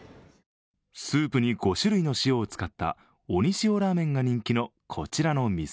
スープに５種類の塩を使った鬼塩らぁ麺が人気のこちらの店。